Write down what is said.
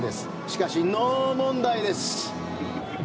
しかし、ノー問題です。